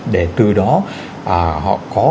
để từ đó họ có